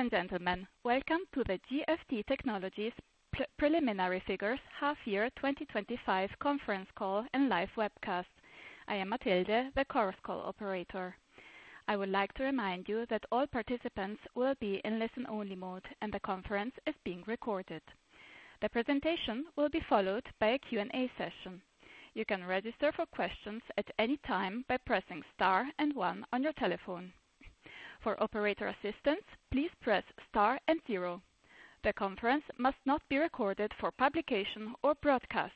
Ladies and gentlemen, welcome to the GFT Technologies Preliminary Figure Half Year 2025 conference call and live webcast. I am Matilde, the Chorus Call operator. I would like to remind you that all participants will be in listen-only mode, and the conference is being recorded. The presentation will be followed by a Q&A session. You can register for questions at any time by pressing star and one on your telephone. For operator assistance, please press star and zero. The conference must not be recorded for publication or broadcast.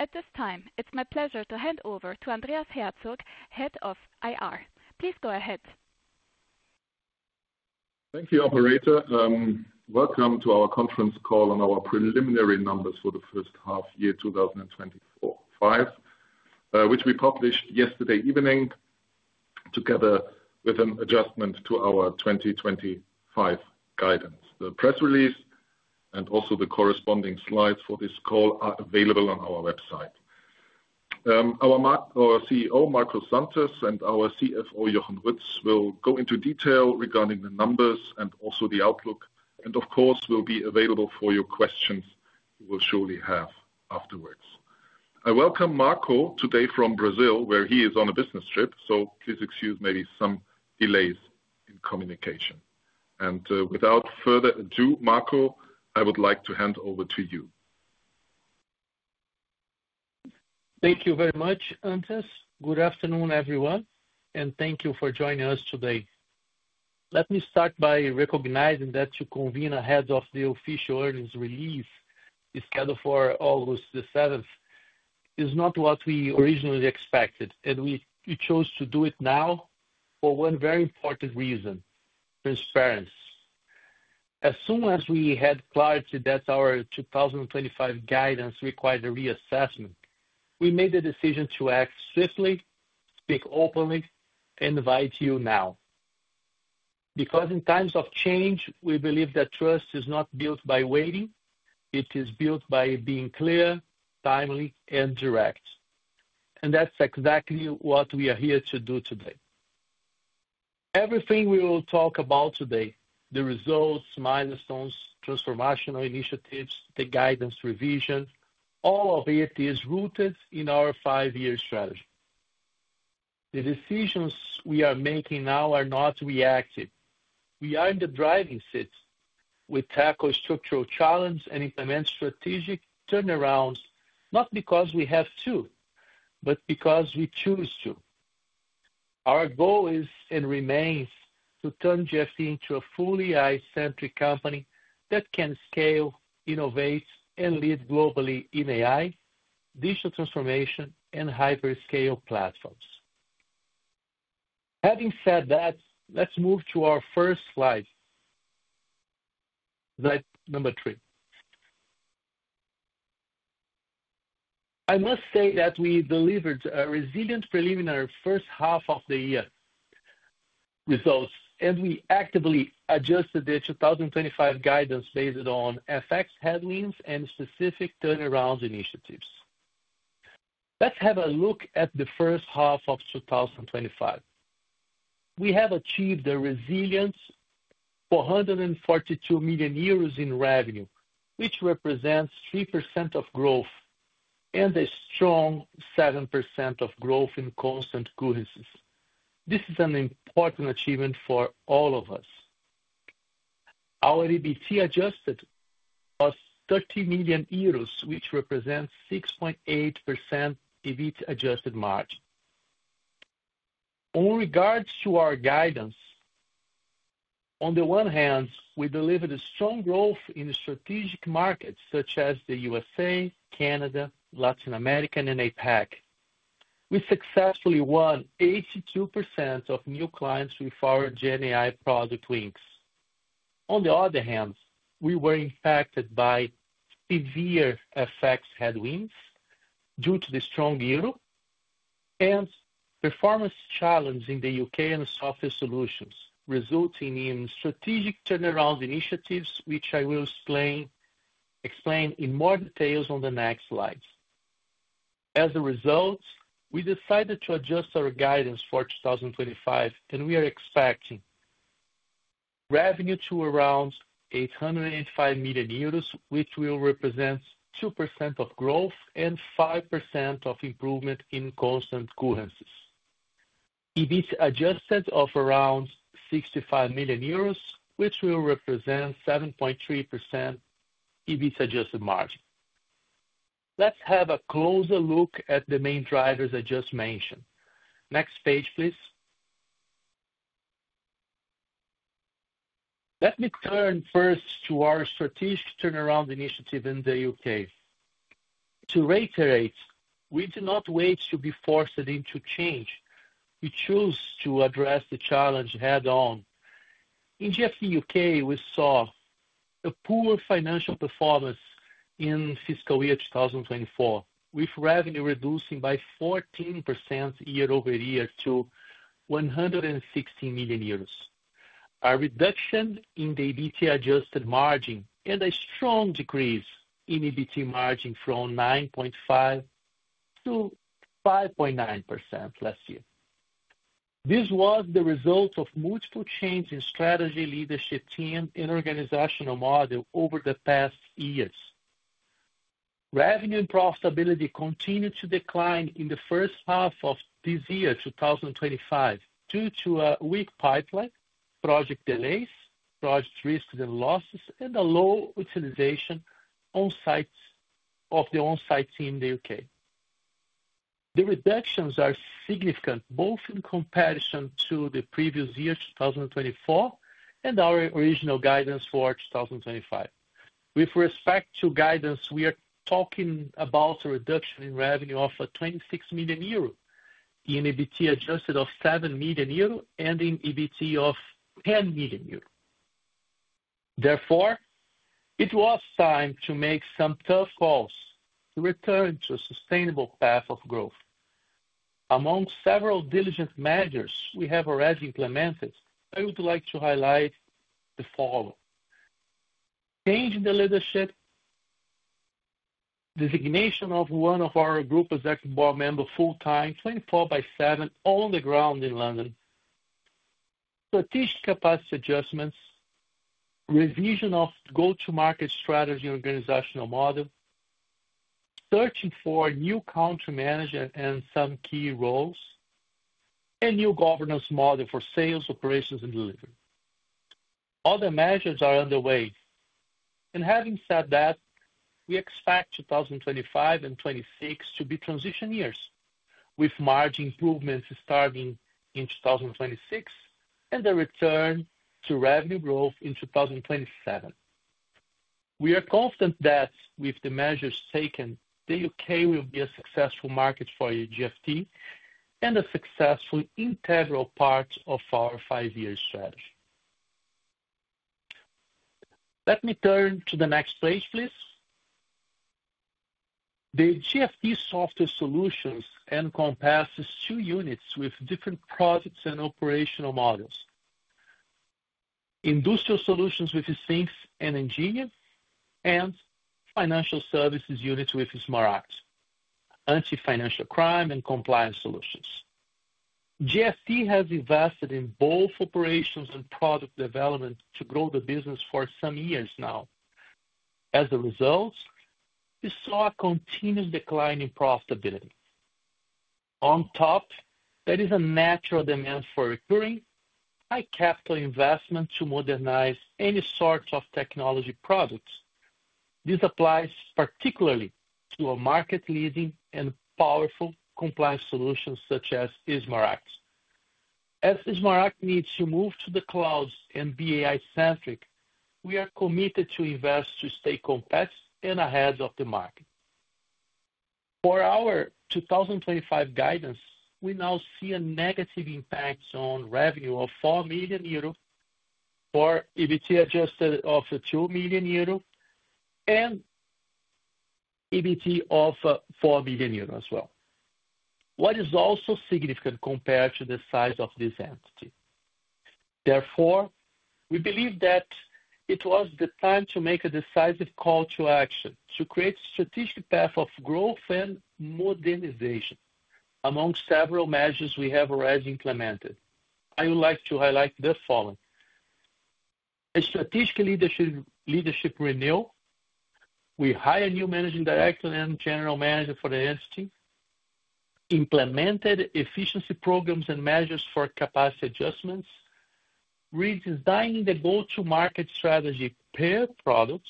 At this time, it's my pleasure to hand over to Andreas Herzog, Head of IR. Please go ahead. Thank you, operator. Welcome to our conference call on our preliminary numbers for the first half year 2025, which we published yesterday evening together with an adjustment to our 2025 guidance. The press release and also the corresponding slides for this call are available on our website. Our CEO, Marco Santos, and our CFO, Jochen Ruetz, will go into detail regarding the numbers and also the outlook, and of course, will be available for your questions you will surely have afterwards. I welcome Marco today from Brazil, where he is on a business trip, so please excuse maybe some delays in communication. Without further ado, Marco, I would like to hand over to you. Thank you very much, Andreas. Good afternoon, everyone, and thank you for joining us today. Let me start by recognizing that to convene ahead of the official earnings release scheduled for August the 7th, is not what we originally expected, and we chose to do it now for one very important reason: transparency. As soon as we had clarity that our 2025 guidance required a reassessment, we made the decision to act swiftly, speak openly, and invite you now. Because in times of change, we believe that trust is not built by waiting; it is built by being clear, timely, and direct. That's exactly what we are here to do today. Everything we will talk about today—the results, milestones, transformational initiatives, the guidance revision—all of it is rooted in our five-year strategy. The decisions we are making now are not reactive. We are in the driving seat. We tackle structural challenges and implement strategic turnarounds, not because we have to, but because we choose to. Our goal is and remains to turn GFT into a fully AI-centric company that can scale, innovate, and lead globally in AI, digital transformation, and hyperscale platforms. Having said that, let's move to our first slide, slide number three. I must say that we delivered resilient preliminary first half of the year results, and we actively adjusted the 2025 guidance based on FX headwinds and specific turnaround initiatives. Let's have a look at the first half of 2025. We have achieved a resilient 442 million euros in revenue, which represents 3% growth and a strong 7% growth in constant currency. This is an important achievement for all of us. Our EBIT adjusted was 30 million euros, which represents a 6.8% EBIT adjusted margin. In regards to our guidance, on the one hand, we delivered strong growth in strategic markets such as the US, Canada, Latin America, and APAC. We successfully won 82% of new clients with our GenAI product Wings. On the other hand, we were impacted by severe FX headwinds due to the strong Euro and performance challenges in the UK and Software Solutions, resulting in strategic turnaround initiatives, which I will explain in more detail on the next slide. As a result, we decided to adjust our guidance for 2025, and we are expecting revenue to be around 885 million euros, which will represent 2% growth and 5% improvement in constant currency. Ebit adjusted of around 65 million euros, which will represent a 7.3% EBIT adjusted margin. Let's have a closer look at the main drivers I just mentioned. Next page, please. Let me turn first to our strategic turnaround initiative in the UK. To reiterate, we do not wait to be forced into change. We choose to address the challenge head-on. In GFT UK, we saw a poor financial performance in fiscal year 2024, with revenue reducing by 14% year-over-year to 116 million euros. A reduction in the EBIT adjusted margin and a strong decrease in EBIT margin from 9.5%- 5.9% last year. This was the result of multiple changes in strategy, leadership team, and organizational model over the past years. Revenue and profitability continued to decline in the first half of this year, 2025, due to a weak pipeline, project delays, project risks and losses, and a low utilization on-site of the on-site team in the UK. The reductions are significant both in comparison to the previous year, 2024, and our original guidance for 2025. With respect to guidance, we are talking about a reduction in revenue of 26 million euro, in EBIT adjusted of 7 million euro, and in EBIT of 10 million euro. Therefore, it was time to make some tough calls to return to a sustainable path of growth. Among several diligent measures we have already implemented, I would like to highlight the following: change in the leadership, designation of one of our Group Executive Board members full-time, 24 by seven, on the ground in London, strategic capacity adjustments, revision of go-to-market strategy and organizational model, searching for a new Country Manager and some key roles, and a new governance model for sales, operations, and delivery. Other measures are underway. Having said that, we expect 2025 and 2026 to be transition years, with margin improvements starting in 2026 and the return to revenue growth in 2027. We are confident that with the measures taken, the UK will be a successful market for GFT and a successful integral part of our five-year strategy. Let me turn to the next page, please. The GFT Software Solutions encompasses two units with different projects and operational models: industrial solutions with SIMS and Engineer, and financial services units with SmartAct, anti-financial crime and compliance solutions. GFT has invested in both operations and product development to grow the business for some years now. As a result, we saw a continuous decline in profitability. On top, there is a natural demand for recurring high-capital investment to modernize any sort of technology product. This applies particularly to a market-leading and powerful compliance solution such as SmartAct. As SmartAct needs to move to the cloud and be AI-centric, we are committed to invest to stay competitive and ahead of the market. For our 2025 guidance, we now see a negative impact on revenue of 4 million euro for EBIT adjusted of 2 million euro and EBIT of 4 million euro as well, which is also significant compared to the size of this entity. Therefore, we believe that it was the time to make a decisive call to action to create a strategic path of growth and modernization among several measures we have already implemented. I would like to highlight the following: a strategic leadership renewal. We hired a new Managing Director and General Manager for the entity, implemented efficiency programs and measures for capacity adjustments, redesigned the go-to-market strategy per product,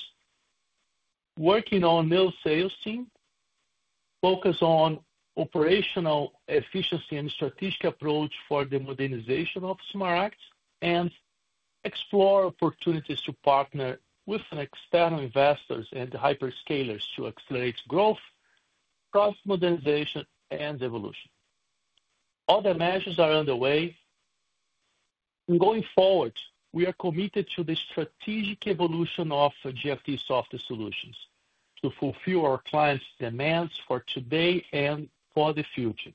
and are working on a new sales team. We are focused on operational efficiency and a strategic approach for the modernization of SmartAct and exploring opportunities to partner with external investors and hyperscalers to accelerate growth, product modernization, and evolution. Other measures are underway. Going forward, we are committed to the strategic evolution of GFT Software Solutions to fulfill our clients' demands for today and for the future.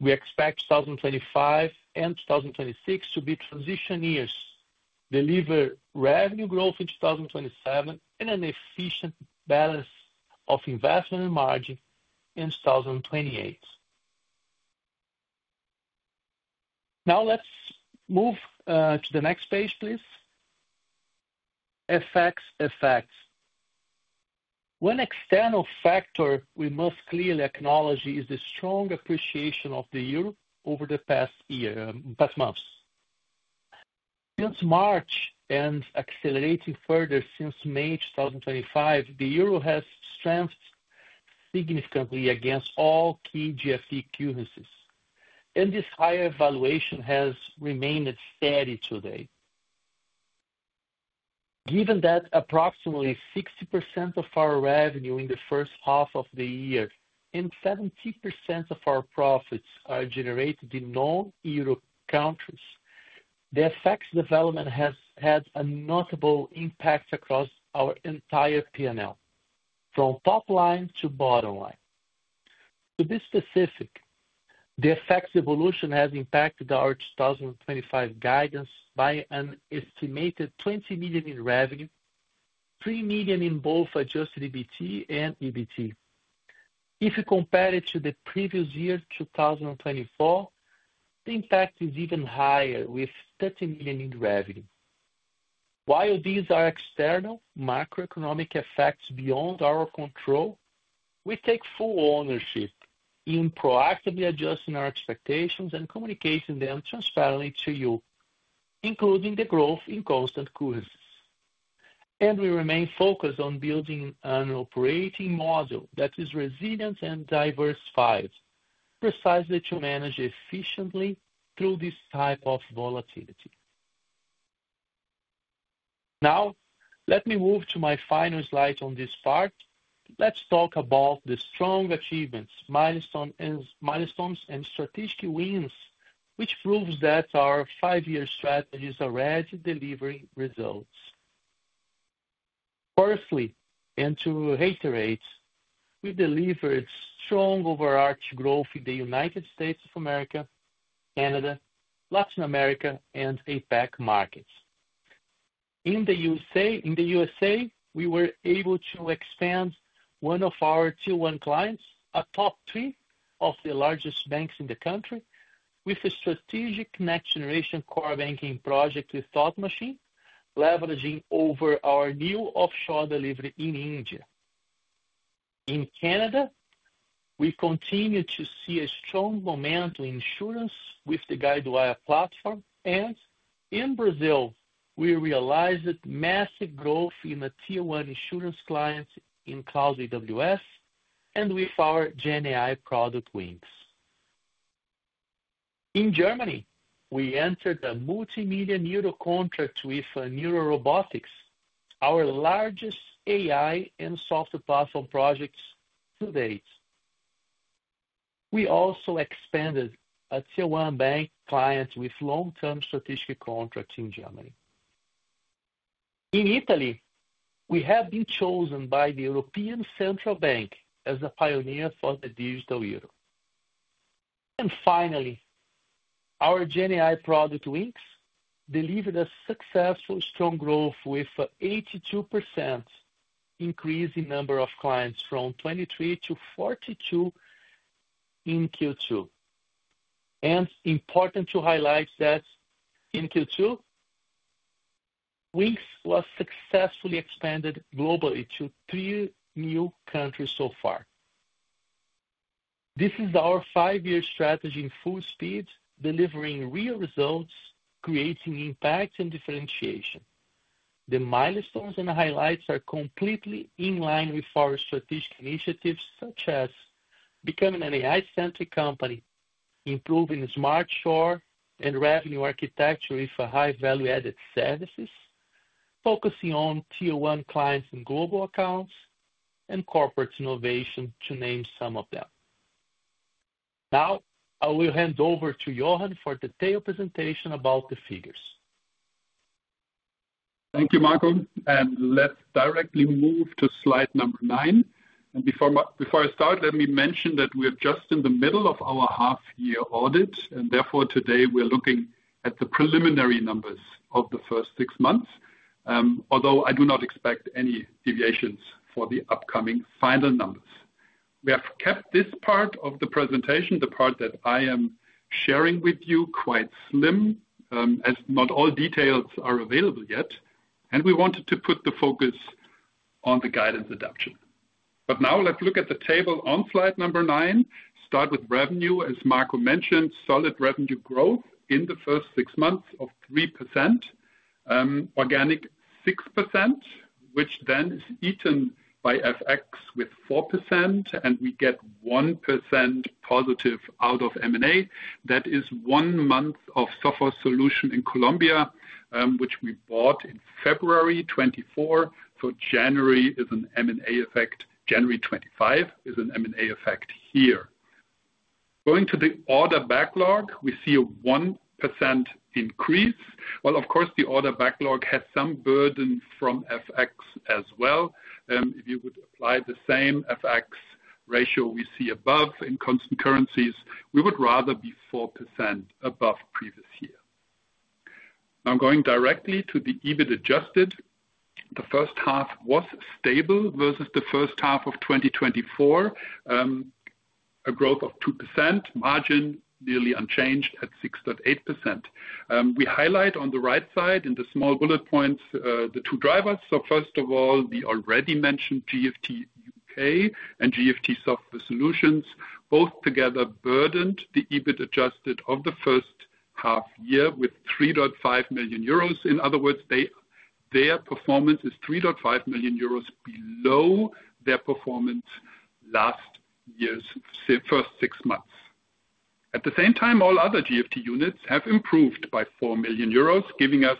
We expect 2025 and 2026 to be transition years, deliver revenue growth in 2027, and an efficient balance of investment and margin in 2028. Now let's move to the next page, please. FX effects. One external factor we must clearly acknowledge is the strong appreciation of the Euro over the past months. Since March and accelerating further since May 2025, the Euro has strengthened significantly against all key GFT currencies, and this higher valuation has remained steady today. Given that approximately 60% of our revenue in the first half of the year and 70% of our profits are generated in non-Euro countries, the FX development has had a notable impact across our entire P&L, from top line to bottom line. To be specific, the FX evolution has impacted our 2025 guidance by an estimated 20 million in revenue, 3 million in both adjusted EBIT and EBIT. If you compare it to the previous year, 2024, the impact is even higher with 30 million in revenue. While these are external macroeconomic effects beyond our control, we take full ownership in proactively adjusting our expectations and communicating them transparently to you, including the growth in constant cohesion. We remain focused on building an operating model that is resilient and diversified, precisely to manage efficiently through this type of volatility. Now, let me move to my final slide on this part. Let's talk about the strong achievements, milestones, and strategic wins, which prove that our five-year strategies are already delivering results. Firstly, and to reiterate, we delivered strong overarching growth in the United States of America, Canada, Latin America, and APAC markets. In the U.S.A, we were able to expand one of our tier-one clients, a top three of the largest banks in the country, with a strategic next-generation core banking project with Thought Machine, leveraging over our new offshore delivery in India. In Canada, we continue to see a strong momentum in insurance with the Guidewire platform, and in Brazil, we realized massive growth in the tier-one insurance clients in Cloud AWS and with our GenAI product Wings. In Germany, we entered a multimillion-Euro contract with NEURA Robotics, our largest AI and software platform projects to date. We also expanded a tier-one bank client with long-term strategic contracts in Germany. In Italy, we have been chosen by the European Central Bank as a pioneer for the digital Euro. Finally, our GenAI product Wings delivered a successful strong growth with an 82% increase in the number of clients from 23-42 in Q2. It is important to highlight that in Q2, Wings was successfully expanded globally to three new countries so far. This is our five-year strategy in full speed, delivering real results, creating impact, and differentiation. The milestones and highlights are completely in line with our strategic initiatives such as becoming an AI-centric company, improving the SmartShore and revenue architecture with high value-added services, focusing on tier-one clients in global accounts, and corporate innovation, to name some of them. Now, I will hand over to Jochen for the detailed presentation about the figures. Thank you, Marco. Let's directly move to slide number nine. Before I start, let me mention that we are just in the middle of our half-year audit, and therefore today we're looking at the preliminary numbers of the first six months, although I do not expect any deviations for the upcoming final numbers. We have kept this part of the presentation, the part that I am sharing with you, quite slim as not all details are available yet, and we wanted to put the focus on the guidance adoption. Now let's look at the table on slide number nine. Start with revenue. As Marco mentioned, solid revenue growth in the first six months of 3%. Organic 6%, which then is eaten by FX with 4%, and we get 1%+ out of M&A. That is one month of Software Solution in Colombia, which we bought in February 2024. January is an M&A effect. January 2025 is an M&A effect here. Going to the order backlog, we see a 1% increase. Of course, the order backlog has some burden from FX as well. If you would apply the same FX ratio we see above in constant currencies, we would rather be 4% above previous year. Now going directly to the EBIT adjusted. The first half was stable versus the first half of 2024. A growth of 2%. Margin nearly unchanged at 6.8%. We highlight on the right side in the small bullet points the two drivers. First of all, the already mentioned GFT UK and GFT Software Solutions, both together burdened the EBIT adjusted of the first half year with 3.5 million euros. In other words, their performance is 3.5 million euros below their performance last year's first six months. At the same time, all other GFT units have improved by 4 million euros, giving us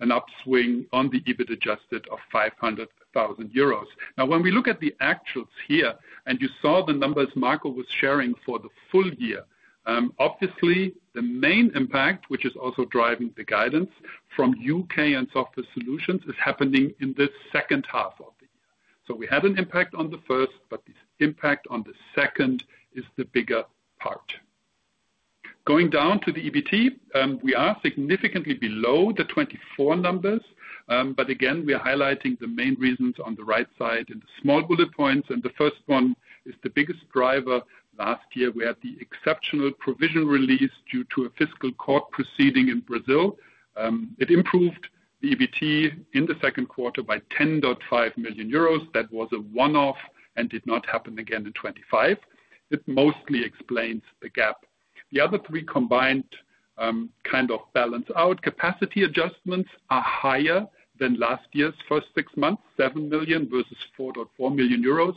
an upswing on the EBIT adjusted of 0.5 million euros. Now, when we look at the actuals here, and you saw the numbers Marco was sharing for the full year, obviously the main impact, which is also driving the guidance from UK and Software Solutions, is happening in the second half of the year. We had an impact on the first, but the impact on the second is the bigger part. Going down to the EBIT, we are significantly below the 2024 numbers, but again, we are highlighting the main reasons on the right side in the small bullet points, and the first one is the biggest driver. Last year, we had the exceptional provision release due to a fiscal court proceeding in Brazil. It improved the EBIT in the second quarter by 10.5 million euros. That was a one-off and did not happen again in 2025. It mostly explains the gap. The other three combined kind of balance out. Capacity adjustments are higher than last year's first six months: 7 million versus 4.4 million euros.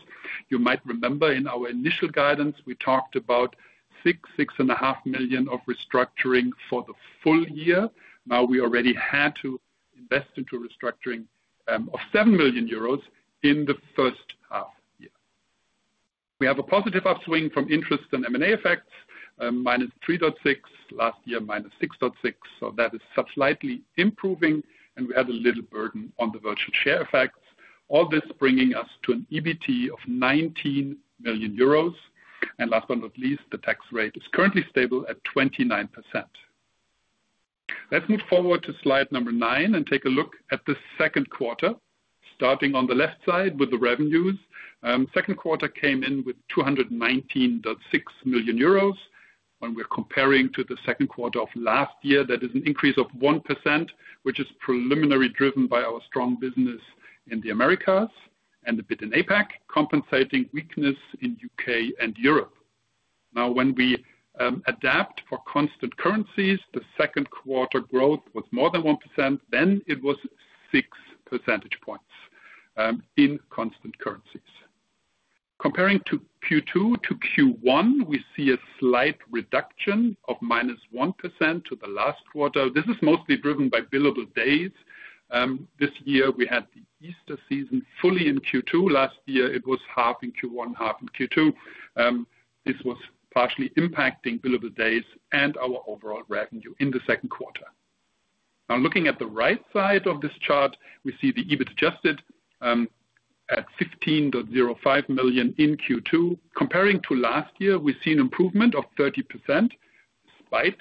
You might remember in our initial guidance, we talked about 6 million, 6.5 million of restructuring for the full year. Now we already had to invest into restructuring of 7 million euros in the first half year. We have a positive upswing from interest and M&A effects: minus 3.6 million last year, minus 6.6 million. That is slightly improving, and we had a little burden on the virtual share effects. All this bringing us to an EBIT of 19 million euros. Last but not least, the tax rate is currently stable at 29%. Let's move forward to slide number nine and take a look at the second quarter. Starting on the left side with the revenues, the second quarter came in with 219.6 million euros. When we're comparing to the second quarter of last year, that is an increase of 1%, which is primarily driven by our strong business in the Americas and a bit in APAC, compensating weakness in the UK and Europe. Now, when we adapt for constant currencies, the second quarter growth was more than 1%. It was six percentage points in constant currencies. Comparing Q2 to Q1, we see a slight reduction of -1% to the last quarter. This is mostly driven by billable days. This year, we had the Easter season fully in Q2. Last year, it was half in Q1, half in Q2. This was partially impacting billable days and our overall revenue in the second quarter. Now, looking at the right side of this chart, we see the EBIT adjusted at 15.05 million in Q2. Comparing to last year, we see an improvement of 30%, despite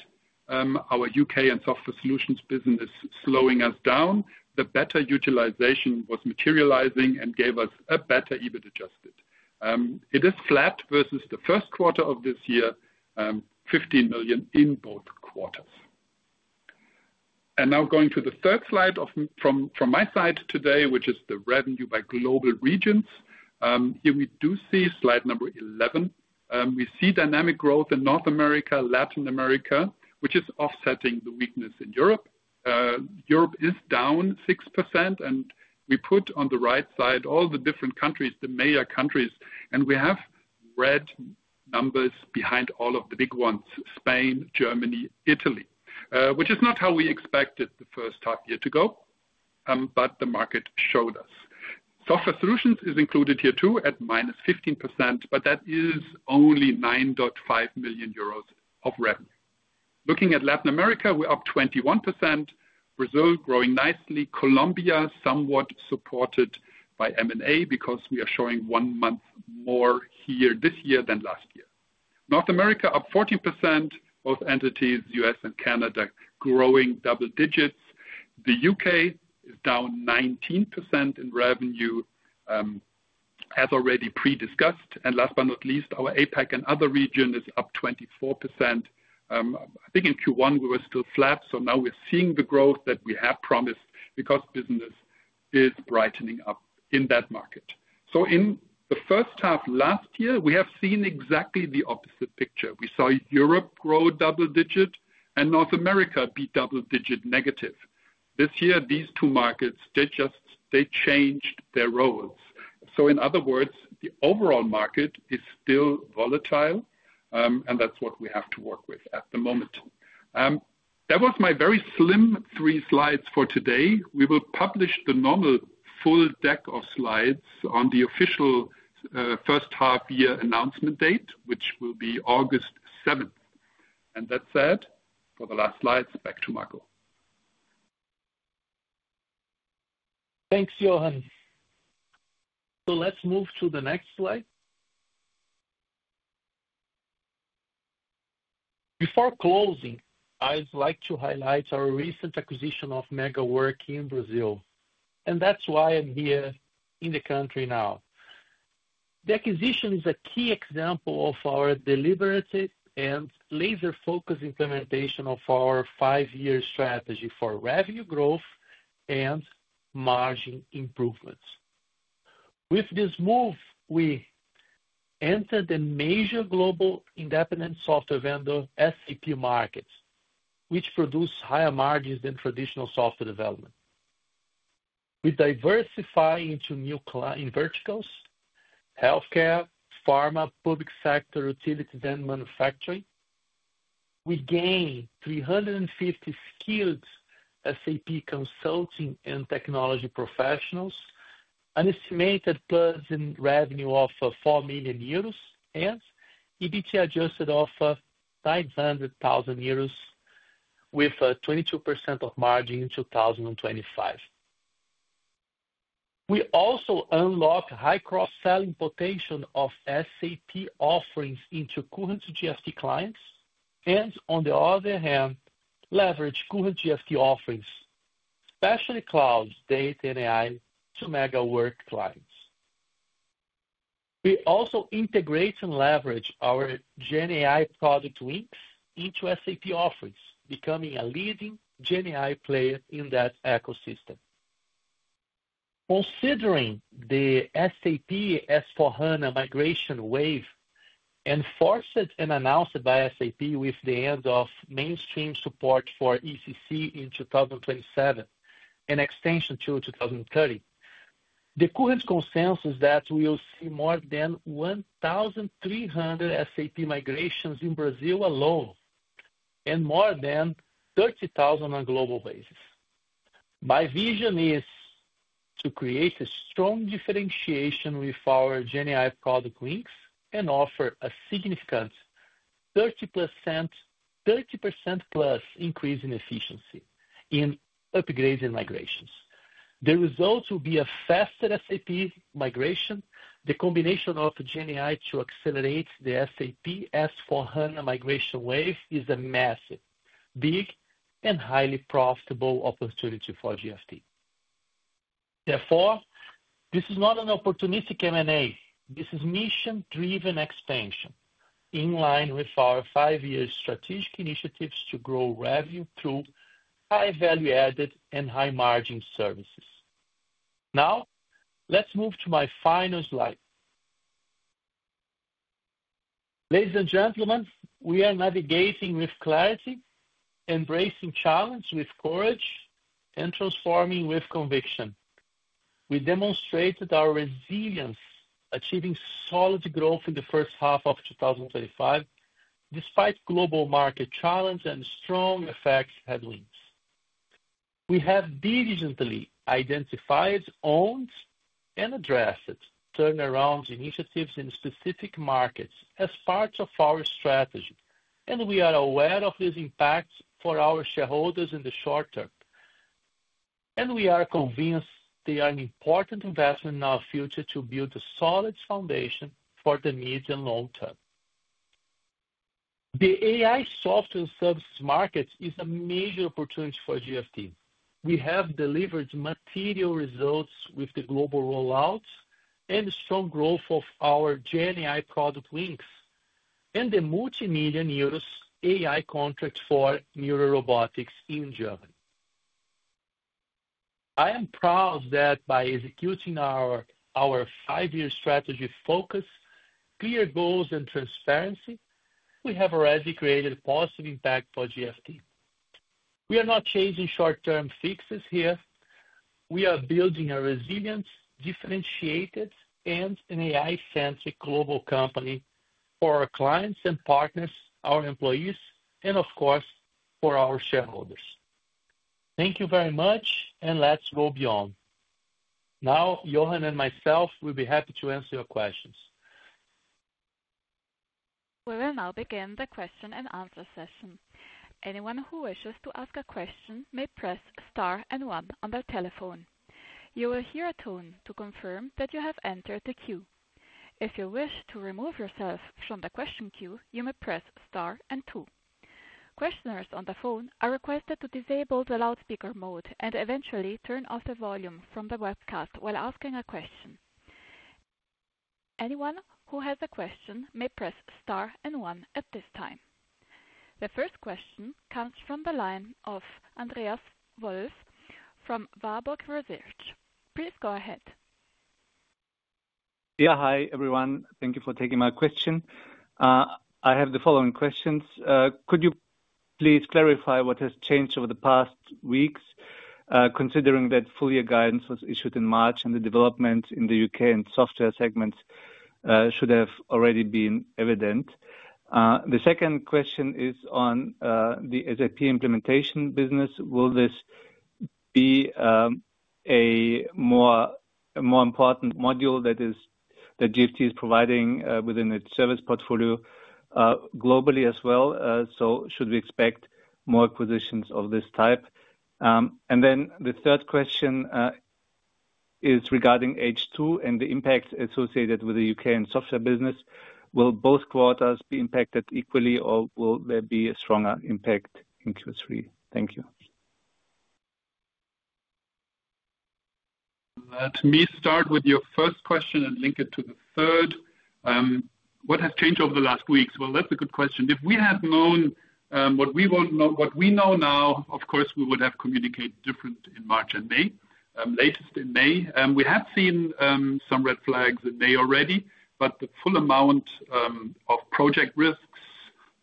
our UK and Software Solutions business slowing us down. The better utilization was materializing and gave us a better EBIT adjusted. It is flat versus the first quarter of this year, 15 million in both quarters. Now going to the third slide from my side today, which is the revenue by global regions. Here we do see slide number 11. We see dynamic growth in North America and Latin America, which is offsetting the weakness in Europe. Europe is down 6%, and we put on the right side all the different countries, the major countries, and we have red numbers behind all of the big ones: Spain, Germany, Italy, which is not how we expected the first half year to go, but the market showed us. Software Solutions is included here too at minus 15%, but that is only 9.5 million euros of revenue. Looking at Latin America, we're up 21%. Brazil growing nicely. Colombia somewhat supported by M&A because we are showing one month more here this year than last year. North America up 14%. Both entities, U.S. and Canada, growing double digits. The UK is down 19% in revenue, as already pre-discussed. Last but not least, our APAC and other regions are up 24%. I think in Q1 we were still flat, so now we're seeing the growth that we have promised because business is brightening up in that market. In the first half last year, we have seen exactly the opposite picture. We saw Europe grow double digit and North America be double digit negative. This year, these two markets, they just changed their roles. In other words, the overall market is still volatile, and that's what we have to work with at the moment. That was my very slim three slides for today. We will publish the normal full deck of slides on the official first half year announcement date, which will be August 7th. That's it for the last slides. Back to Marco. Thanks, Jochen. Let's move to the next slide. Before closing, I'd like to highlight our recent acquisition of Megawork in Brazil, and that's why I'm here in the country now. The acquisition is a key example of our deliberative and laser-focused implementation of our five-year strategy for revenue growth and margin improvements. With this move, we entered the major global independent software vendor SAP market, which produces higher margins than traditional software development. We diversify into new client verticals: healthcare, pharma, public sector, utilities, and manufacturing. We gained 350 skilled SAP consulting and technology professionals, an estimated plus in revenue of 4 million euros, and EBIT adjusted of 900,000 euros, with 22% margin in 2025. We also unlocked a high cross-selling potential of SAP offerings into current GFT clients and, on the other hand, leveraged current GFT offerings, especially cloud data and AI, to Megawork clients. We also integrate and leverage our GenAI product Wings into SAP offerings, becoming a leading GenAI player in that ecosystem. Considering the SAP S/4HANA migration wave, enforced and announced by SAP with the end of mainstream support for ECC in 2027 and extension to 2030, the current consensus is that we will see more than 1,300 SAP migrations in Brazil alone and more than 30,000 on a global basis. My vision is to create a strong differentiation with our GenAI product Wings and offer a significant 30% plus increase in efficiency in upgrades and migrations. The result will be a faster SAP migration. The combination of GenAI to accelerate the SAP S/4HANA migration wave is a massive, big, and highly profitable opportunity for GFT. Therefore, this is not an opportunistic M&A. This is mission-driven expansion in line with our five-year strategic initiatives to grow revenue through high value-added and high margin services. Now, let's move to my final slide. Ladies and gentlemen, we are navigating with clarity, embracing challenge with courage, and transforming with conviction. We demonstrated our resilience, achieving solid growth in the first half of 2025, despite global market challenge and strong FX headwinds. We have diligently identified, owned, and addressed turnaround initiatives in specific markets as part of our strategy, and we are aware of these impacts for our shareholders in the short term. We are convinced they are an important investment in our future to build a solid foundation for the medium and long term. The AI software and services market is a major opportunity for GFT. We have delivered material results with the global rollout and the strong growth of our GenAI product Wings and the multimillion Euro AI contract for NEURA Robotics in Germany. I am proud that by executing our five-year strategy focus, clear goals, and transparency, we have already created a positive impact for GFT. We are not changing short-term fixes here. We are building a resilient, differentiated, and AI-centric global company for our clients and partners, our employees, and of course, for our shareholders. Thank you very much, and let's go beyond. Now, Jochen and myself will be happy to answer your questions. We will now begin the question and answer session. Anyone who wishes to ask a question may press star and one on their telephone. You will hear a tone to confirm that you have entered the queue. If you wish to remove yourself from the question queue, you may press star and two. Questioners on the phone are requested to disable the loudspeaker mode and eventually turn off the volume from the webcast while asking a question. Anyone who has a question may press star and one at this time. The first question comes from the line of Andreas Wolff from Warburg Research. Please go ahead. Yeah, hi everyone. Thank you for taking my question. I have the following questions. Could you please clarify what has changed over the past weeks, considering that full-year guidance was issued in March and the development in the UK and software segments should have already been evident? The second question is on the SAP implementation business. Will this be a more important module that GFT is providing within its service portfolio globally as well? Should we expect more acquisitions of this type? The third question is regarding H2 and the impact associated with the UK and software business. Will both quarters be impacted equally, or will there be a stronger impact in Q3? Thank you. Let me start with your first question and link it to the third. What has changed over the last weeks? That's a good question. If we had known what we know now, of course, we would have communicated differently in March and May. Latest in May, we have seen some red flags in May already, but the full amount of project risks,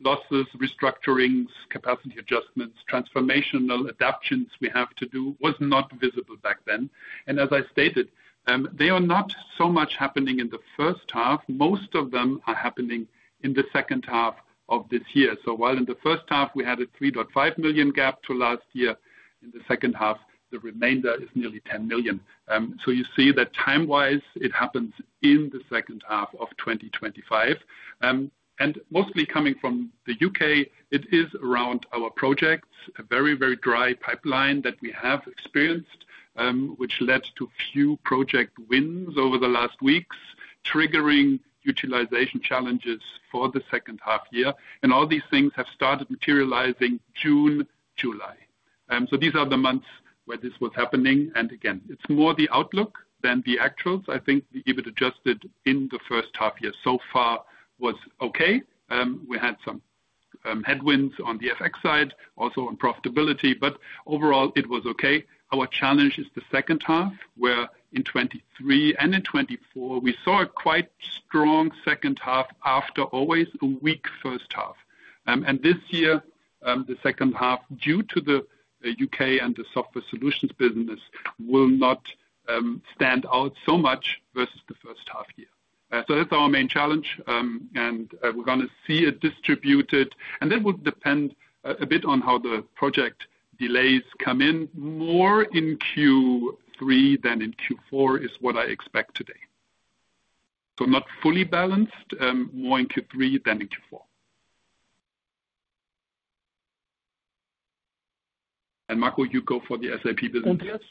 losses, restructurings, capacity adjustments, transformational adoptions we have to do was not visible back then. As I stated, they are not so much happening in the first half. Most of them are happening in the second half of this year. While in the first half we had a 3.5 million gap to last year, in the second half, the remainder is nearly 10 million. You see that time-wise, it happens in the second half of 2025. Mostly coming from the UK, it is around our projects, a very, very dry pipeline that we have experienced, which led to few project wins over the last weeks, triggering utilization challenges for the second half year. All these things have started materializing June, July. These are the months where this was happening. Again, it's more the outlook than the actuals. I think the EBIT adjusted in the first half year so far was okay. We had some headwinds on the FX side, also on profitability, but overall it was okay. Our challenge is the second half, where in 2023 and in 2024, we saw a quite strong second half after always a weak first half. This year, the second half, due to the UK and the Software Solutions business, will not stand out so much versus the first half year. That's our main challenge, and we're going to see it distributed. That will depend a bit on how the project delays come in. More in Q3 than in Q4 is what I expect today. Not fully balanced, more in Q3 than in Q4. Marco, you go for the SAP business.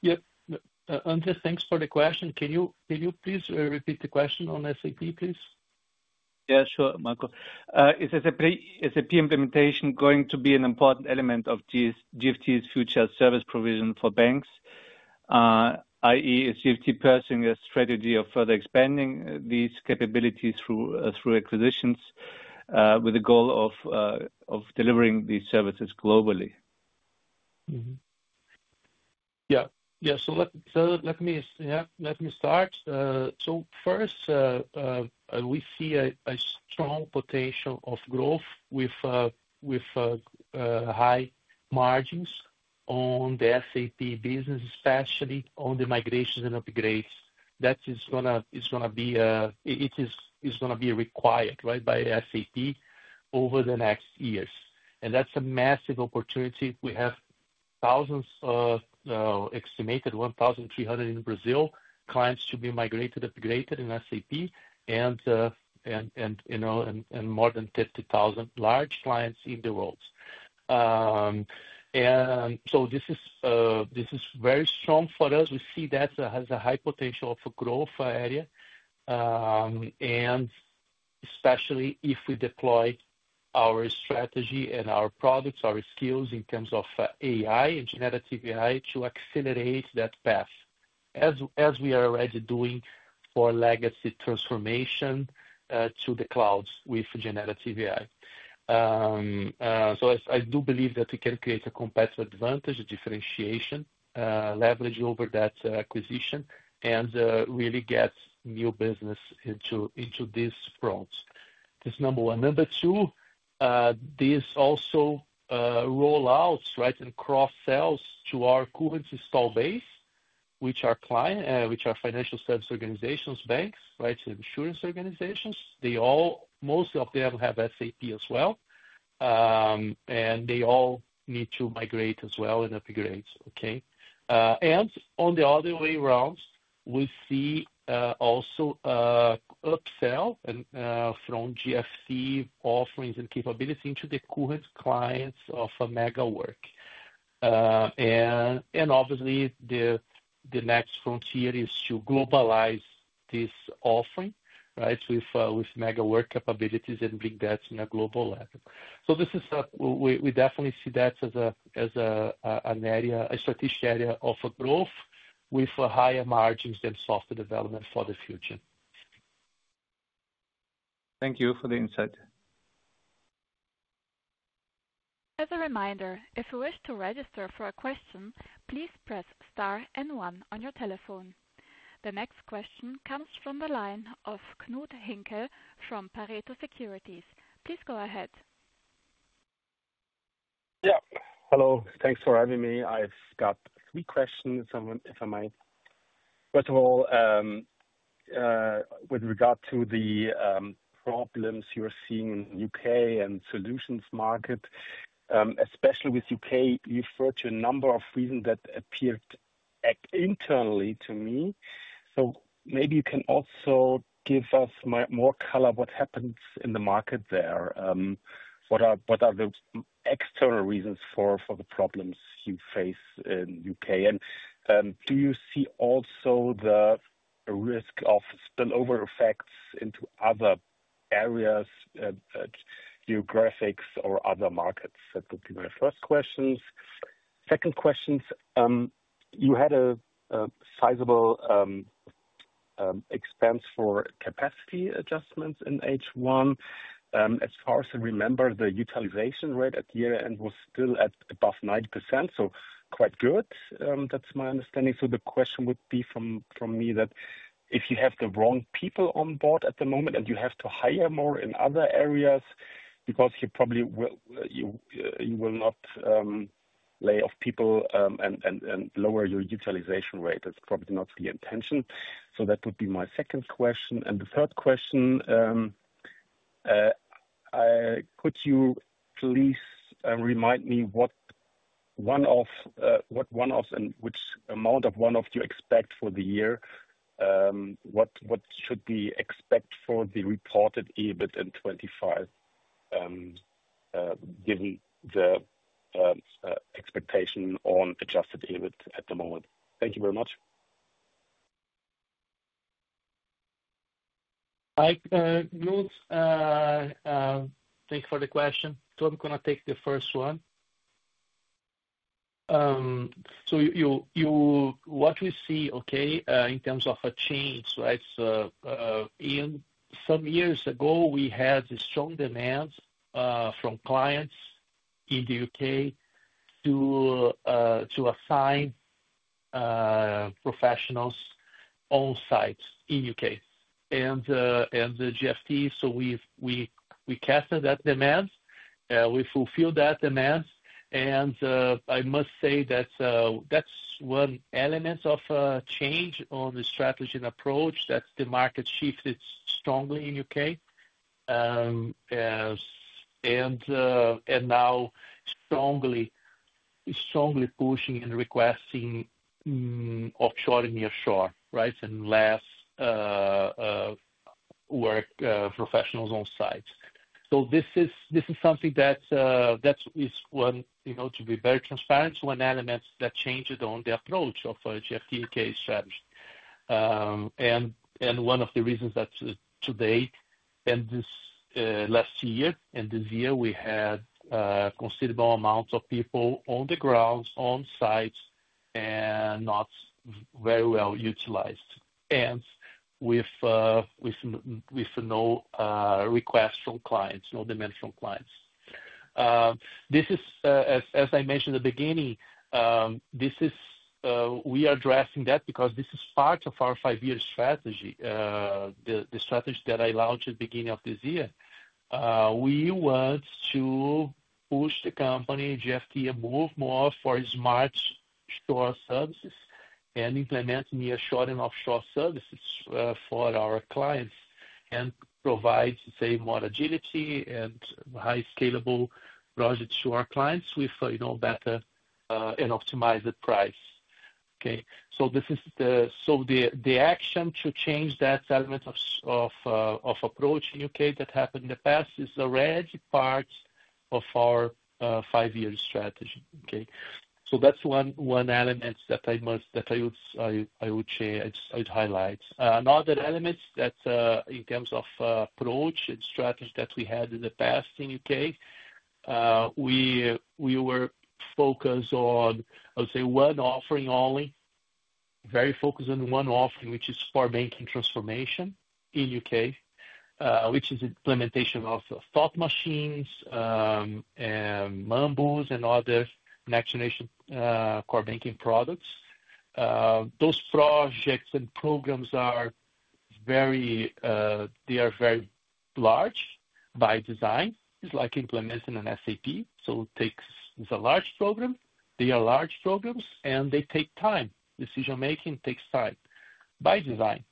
Yep. Yep. Andreas, thanks for the question. Can you please repeat the question on SAP, please? Yeah, sure, Marco. Is SAP implementation going to be an important element of GFT's future service provision for banks, i.e., is GFT pursuing a strategy of further expanding these capabilities through acquisitions with the goal of delivering these services globally? Yeah. Yeah. Let me start. First, we see a strong potential of growth with high margins on the SAP business, especially on the migrations and upgrades. That is going to be required, right, by SAP over the next years. That's a massive opportunity. We have thousands of estimated 1,300 in Brazil clients to be migrated and upgraded in SAP, and more than 30,000 large clients in the world. This is very strong for us. We see that it has a high potential of a growth area, especially if we deploy our strategy and our products, our skills in terms of AI and generative AI to accelerate that path, as we are already doing for legacy transformation to the clouds with generative AI. I do believe that we can create a competitive advantage, a differentiation leverage over that acquisition, and really get new business into this front. That's number one. Number two, this also rollouts, right, and cross-sells to our current install base, which are financial service organizations, banks, insurance organizations. They all, most of them have SAP as well, and they all need to migrate as well and upgrade, okay? On the other way around, we see also upsell from GFT offerings and capabilities into the current clients of Megawork. Obviously, the next frontier is to globalize this offering, right, with Megawork capabilities and bring that to a global level. We definitely see that as an area, a strategic area of growth with higher margins than software development for the future. Thank you for the insight. As a reminder, if you wish to register for a question, please press star and one on your telephone. The next question comes from the line of Knud Hinkel from Pareto Securities. Please go ahead. Yeah. Hello. Thanks for having me. I've got three questions, if I might. First of all, with regard to the problems you're seeing in the UK and solutions market, especially with UK, you referred to a number of reasons that appeared internally to me. Maybe you can also give us more color what happens in the market there. What are the external reasons for the problems you face in the UK? Do you see also the risk of spillover effects into other areas, geographics, or other markets? That would be my first question. Second question, you had a sizable expense for capacity adjustments in H1. As far as I remember, the utilization rate at year-end was still above 90%. Quite good, that's my understanding. The question would be from me that if you have the wrong people on board at the moment and you have to hire more in other areas because you probably will not lay off people and lower your utilization rate, that's probably not the intention. That would be my second question. The third question, could you please remind me what one-off, and which amount of one-off you expect for the year? What should we expect for the reported EBIT in 2025, given the expectation on adjusted EBIT at the moment? Thank you very much. Hi, Knud. Thanks for the question. I'm going to take the first one. What we see in terms of a change, right, is some years ago, we had a strong demand from clients in the UK to assign professionals on-site in the UK and GFT. We captured that demand. We fulfilled that demand. I must say that's one element of a change in the strategy and approach, that the market shifted strongly in the UK and now is strongly pushing and requesting offshore and nearshore, and less work professionals on-site. This is something that is, to be very transparent, one element that changed in the approach of GFT in case strategy. One of the reasons that today, and this last year and this year, we had a considerable amount of people on the ground, on-site, and not very well utilized, with no requests from clients, no demands from clients. As I mentioned in the beginning, we are addressing that because this is part of our five-year strategy, the strategy that I launched at the beginning of this year. We want to push the company, GFT, to move more for Smart Store services and implement nearshore and offshore services for our clients and provide more agility and highly scalable projects to our clients with a better and optimized price. This is the action to change that element of approach in the UK that happened in the past and is already part of our five-year strategy. That's one element that I would highlight. Another element in terms of approach and strategy that we had in the past in the UK, we were focused on, I would say, one offering only, very focused on one offering, which is core banking transformation in the UK, which is the implementation of Thought Machine, Mambu, and other next-generation core banking products. Those projects and programs are very large by design. It's like implementing an SAP. It's a large program. They are large programs, and they take time. Decision-making takes time by design.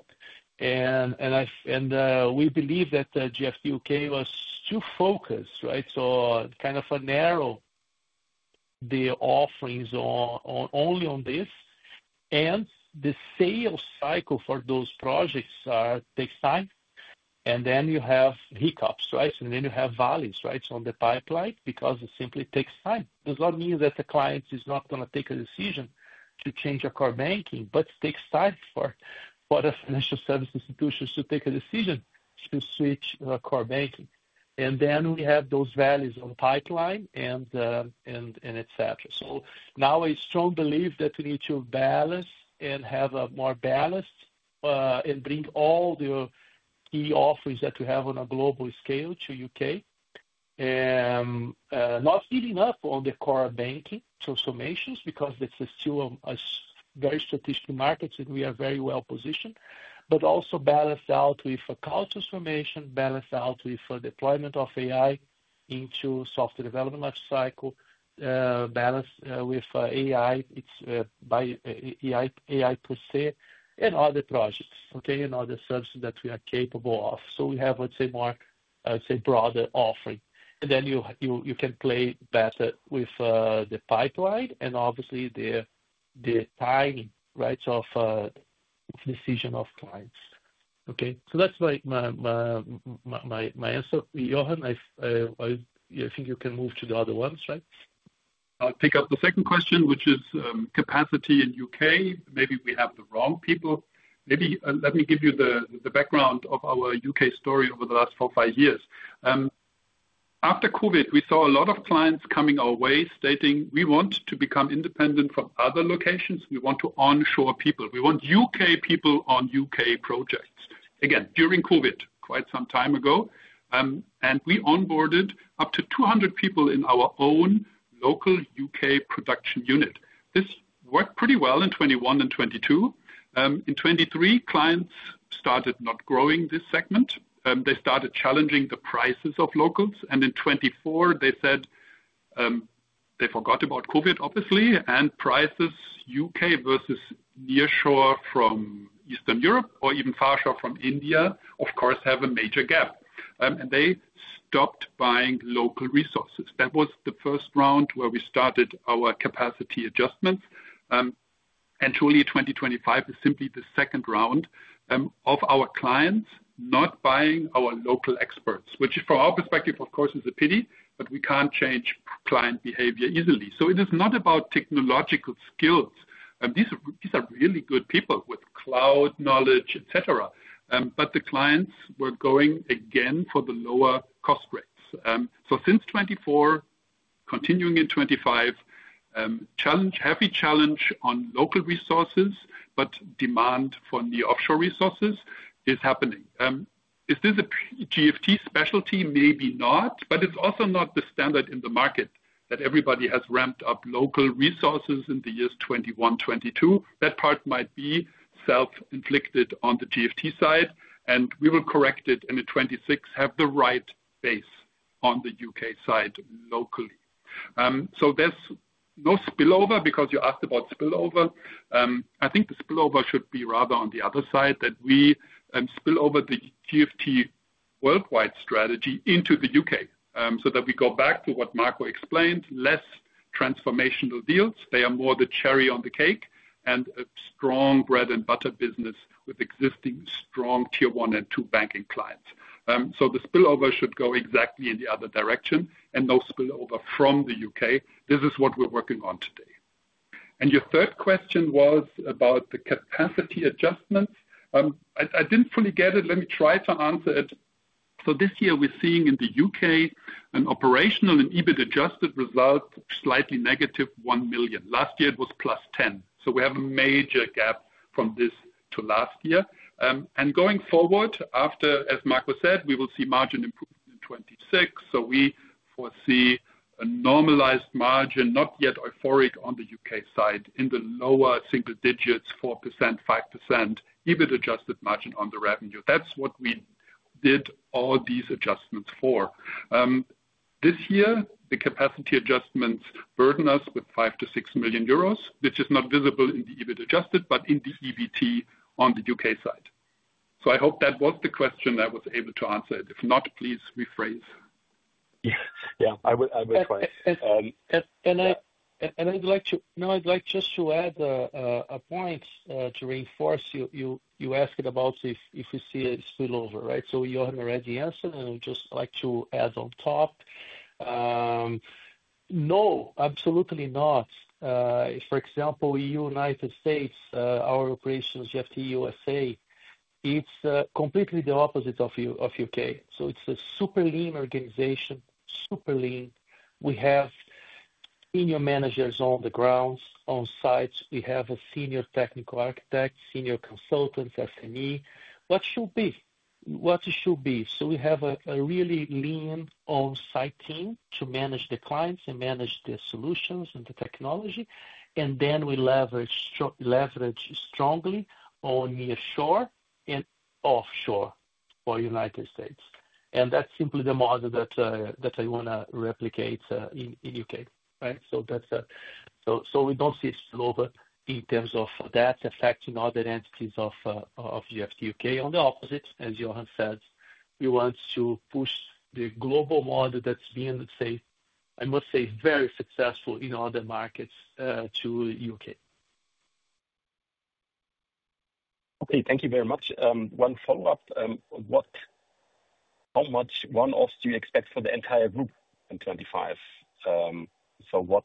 We believe that GFT UK was too focused, so it kind of narrowed the offerings only on this. The sales cycle for those projects takes time, and then you have hiccups, and then you have valleys on the pipeline because it simply takes time. It does not mean that the client is not going to take a decision to change a core banking, but it takes time for the financial service institutions to take a decision to switch core banking. We have those values on the pipeline, et cetera. I strongly believe that we need to balance and have a more balanced and bring all the key offerings that we have on a global scale to the UK. Not giving up on the core banking transformations because this is still a very strategic market and we are very well positioned, but also balance out with account transformation, balance out with deployment of AI into software development lifecycle, balance with AI, it's by AI per se, and other projects and other services that we are capable of. We have, let's say, more, let's say, broader offering. You can play better with the pipeline and obviously the timing, right, of the decision of clients. That's my answer. Jochen, I think you can move to the other ones, right? I'll pick up the second question, which is capacity in the UK. Maybe we have the wrong people. Let me give you the background of our UK story over the last four or five years. After COVID, we saw a lot of clients coming our way stating, "We want to become independent from other locations. We want to onshore people. We want UK people on UK projects." Again, during COVID, quite some time ago. We onboarded up to 200 people in our own local UK production unit. This worked pretty well in 2021 and 2022. In 2023, clients started not growing this segment. They started challenging the prices of locals. In 2024, they said they forgot about COVID, obviously, and prices UK versus nearshore from Eastern Europe or even farshore from India, of course, have a major gap. They stopped buying local resources. That was the first round where we started our capacity adjustments. Truly, 2025 is simply the second round of our clients not buying our local experts, which from our perspective, of course, is a pity, but we can't change client behavior easily. It is not about technological skills. These are really good people with cloud knowledge, et cetera. The clients were going again for the lower cost rates. Since 2024, continuing in 2025, challenge, heavy challenge on local resources, but demand for new offshore resources is happening. Is this a GFT specialty? Maybe not, but it's also not the standard in the market that everybody has ramped up local resources in the years 2021, 2022. That part might be self-inflicted on the GFT side. We will correct it in 2026, have the right base on the UK side locally. There's no spillover because you asked about spillover. I think the spillover should be rather on the other side, that we spill over the worldwide strategy into the UK so that we go back to what Marco explained, less transformational deals. They are more the cherry on the cake and a strong bread-and-butter business with existing strong tier one and two banking clients. The spillover should go exactly in the other direction and no spillover from the UK. This is what we're working on today. Your third question was about the capacity adjustments. I didn't fully get it. Let me try to answer it. This year, we're seeing in the UK an operational and EBIT adjusted result, slightly negative 1 million. Last year, it was plus 10 million. We have a major gap from this to last year. Going forward, as Marco said, we will see margin improvement in 2026. We foresee a normalized margin, not yet euphoric on the UK side, in the lower single digits, 4%, 5% EBIT adjusted margin on the revenue. That's what we did all these adjustments for. This year, the capacity adjustments burden us with 5 million-6 million euros, which is not visible in the EBIT adjusted, but in the EBT on the UK side. I hope that was the question I was able to answer. If not, please rephrase. Yes, I would. I'd like to add a point to reinforce you asking about if we see a spillover, right? You already answered, and I would just like to add on top. No, absolutely not. For example, EU, United States, our operations, GFT USA, it's completely the opposite of UK. It's a super lean organization, super lean. We have Senior Managers on the ground, on-site. We have a Senior Technical Architect, Senior Consultants, SME. What should be? What should be? We have a really lean on-site team to manage the clients and manage the solutions and the technology. Then we leverage strongly on nearshore and offshore for the United States. That's simply the model that I want to replicate in the UK, right? We don't see a spillover in terms of that affecting other entities of GFT UK. On the opposite, as Jochen said, we want to push the global model that's been, let's say, I must say, very successful in other markets to the UK. Okay. Thank you very much. One follow-up. How much one-offs do you expect for the entire group in 2025? What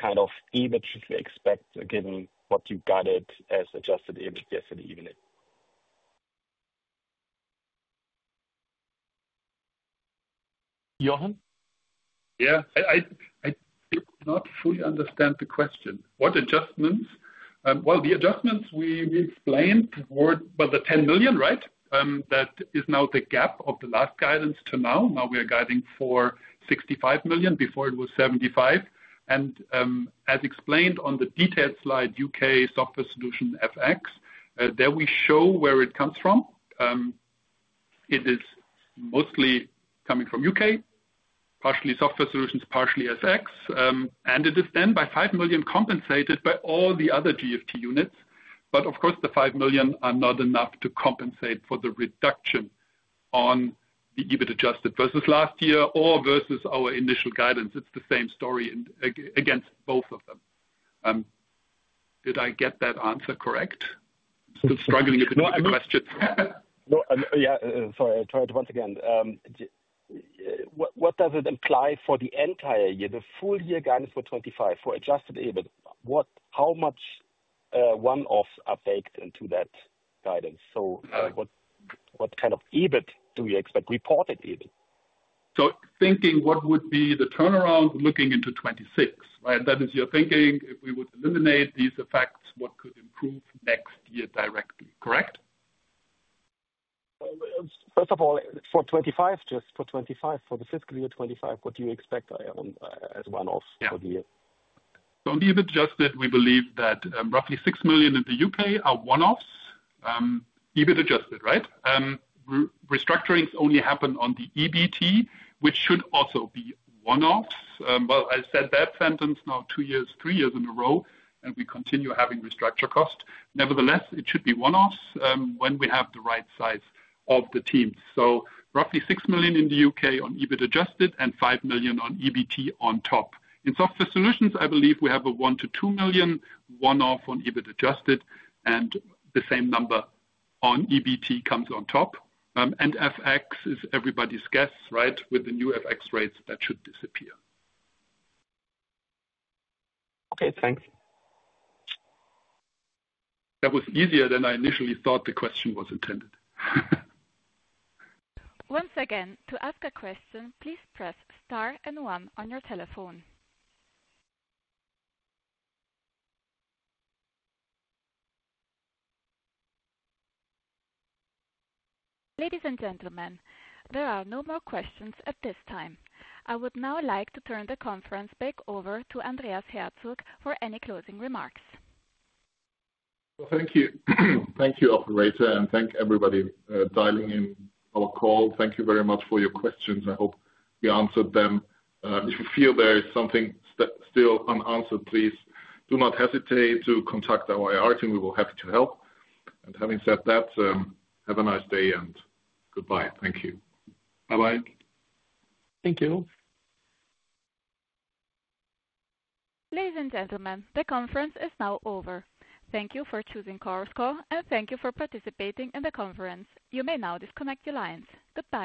kind of EBIT should we expect, given what you guided as adjusted EBIT for the evening? Jochen? Yeah. I did not fully understand the question. What adjustments? The adjustments we explained were the 10 million, right? That is now the gap of the last guidance to now. Now we are guiding for 65 million, before it was 75 million. As explained on the detailed slide, UK Software Solutions FX, there we show where it comes from. It is mostly coming from UK, partially Software Solutions, partially FX. It is then by 5 million compensated by all the other GFT units. Of course, the 5 million are not enough to compensate for the reduction on the EBIT adjusted versus last year or versus our initial guidance. It's the same story against both of them. Did I get that answer correct? I'm still struggling with the question. Sorry. I tried once again. What does it imply for the entire year, the full year guidance for 2025 for adjusted EBIT? How much one-offs are baked into that guidance? What kind of EBIT do we expect, reported EBIT? Thinking what would be the turnaround looking into 2026, right? That is your thinking if we would eliminate these effects, what could improve next year directly, correct? First of all, for 2025, just for 2025, for the fiscal year 2025, what do you expect as one-offs for the year? On the EBIT adjusted, we believe that roughly 6 million in the UK are one-offs. EBIT adjusted, right? Restructurings only happen on the EBT, which should also be one-offs. I said that sentence now two years, three years in a row, and we continue having restructure costs. Nevertheless, it should be one-offs when we have the right size of the team. Roughly 6 million in the UK on EBIT adjusted and 5 million on EBT on top. In Software Solutions, I believe we have a 1-2 million one-off on EBIT adjusted, and the same number on EBT comes on top. FX is everybody's guess, right? With the new FX rates, that should disappear. Okay. Thanks. That was easier than I initially thought the question was intended. Once again, to ask a question, please press star and one on your telephone. Ladies and gentlemen, there are no more questions at this time. I would now like to turn the conference back over to Andreas Herzog for any closing remarks. Thank you, operator, and thank everybody dialing in our call. Thank you very much for your questions. I hope we answered them. If you feel there is something still unanswered, please do not hesitate to contact our IR team. We will be happy to help. Having said that, have a nice day and goodbye. Thank you. Bye-bye. Thank you. Ladies and gentlemen, the conference is now over. Thank you Chorus Call, and thank you for participating in the conference. You may now disconnect your lines. Goodbye.